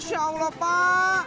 masya allah pak